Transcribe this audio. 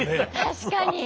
確かに。